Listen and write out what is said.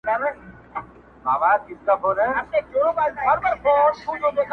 د پردېس جانان کاغذه تر هر توري دي جارېږم،